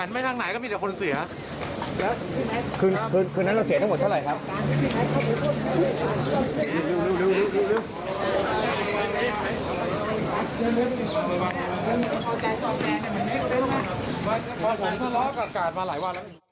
เพราะผมทะเลาะกากกาดมาหลายวันแล้ว